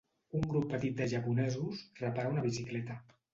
Un grup petit de japonesos repara una bicicleta.